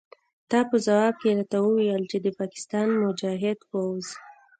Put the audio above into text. تا په ځواب کې راته وویل چې د پاکستان مجاهد پوځ.